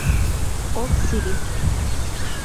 Oak City